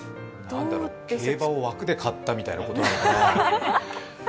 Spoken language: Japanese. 競馬を枠で買ったみたいなことかな。